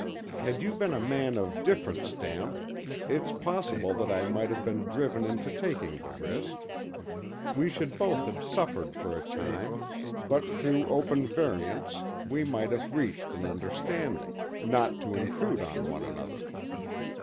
Had you been a man of different stamp, it's possible that I might have been driven into taking the risk. We should both have suffered for a time, but through open variance we might have reached an understanding not to intrude on one another.